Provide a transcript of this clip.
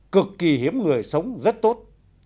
cực kỳ hiếm người sống rất tốt